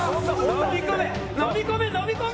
のみ込めのみ込め！